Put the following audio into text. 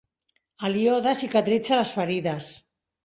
El iode cicatritza les ferides.